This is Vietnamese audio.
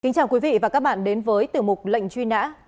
xin chào quý vị và các bạn đến với tiểu mục lệnh truy nã